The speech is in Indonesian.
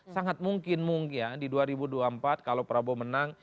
sangat mungkin mungkin di dua ribu dua puluh empat kalau prabowo menang